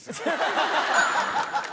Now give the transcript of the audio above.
ハハハハ！